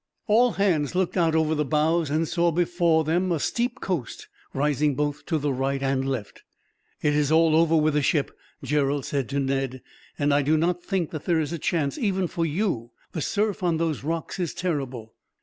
All hands looked out over the bows and saw, before them, a steep coast rising both to the right and left. "It is all over with the ship," Gerald said to Ned, "and I do not think that there is a chance, even for you. The surf on those rocks is terrible."